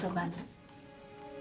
gaapa emang jalan maksimal